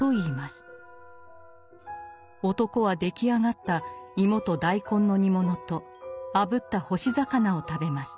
男は出来上がった芋と大根の煮物とあぶった干し魚を食べます。